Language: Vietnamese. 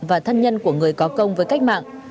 và thân nhân của người có công với cách mạng